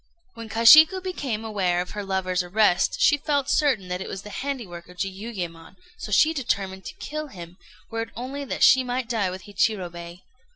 When Kashiku became aware of her lover's arrest, she felt certain that it was the handiwork of Jiuyémon; so she determined to kill him, were it only that she might die with Hichirobei.